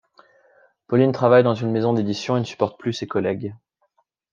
Pauline travaille dans une maison d'édition et ne supporte plus ses collègues.